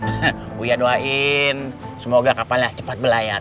hehehe buya doain semoga kapalnya cepat belayar